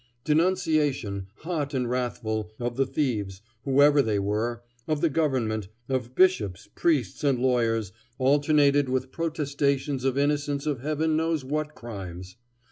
Denunciation, hot and wrathful, of the thieves, whoever they were, of the government, of bishops, priests, and lawyers, alternated with protestations of innocence of heaven knows what crimes.